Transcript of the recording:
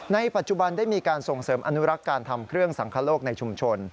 ในปัจจุบันได้มีการส่งเสริมอนุรักษ์การทำเครื่องสังคโลกในชุมชน